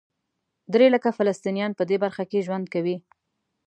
درې لکه فلسطینیان په دې برخه کې ژوند کوي.